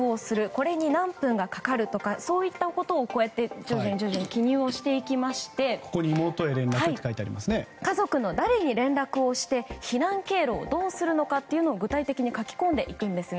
これに何分かかるとかそういったことを徐々に記入をしていきまして家族の誰に連絡をして避難経路をどうするのかを具体的に書き込んでいくんです。